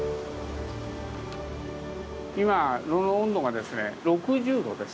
今、炉の温度がですね６０度です。